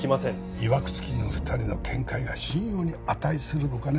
いわくつきの二人の見解が信用に値するのかね？